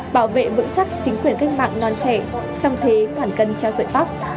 bảo vệ vững chắc chính quyền cách mạng non trẻ trong thế khoản cân treo sợi tóc